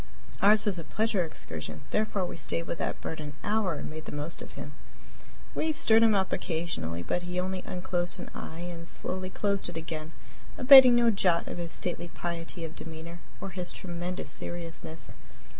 Ours was a pleasure excursion; therefore we stayed with that bird an hour and made the most of him. We stirred him up occasionally, but he only unclosed an eye and slowly closed it again, abating no jot of his stately piety of demeanor or his tremendous seriousness.